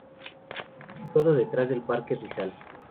Está situado detrás del Parque Rizal.